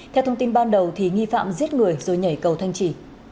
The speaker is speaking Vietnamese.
theo thông tin ban đầu nghi phạm giết người rồi nhảy cầu thanh trì